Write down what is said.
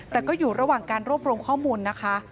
แต่ก็อยู่ระหว่างการรวบรวมข้อมูลนะคะ